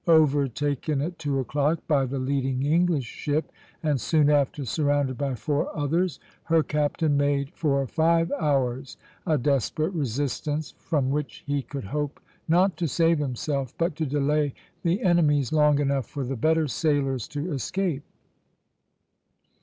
Overtaken at two o'clock by the leading English ship, and soon after surrounded by four others, her captain made for five hours a desperate resistance, from which he could hope, not to save himself, but to delay the enemies long enough for the better sailers to escape.